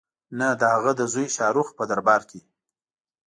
نه د هغه د زوی شاه رخ په دربار کې.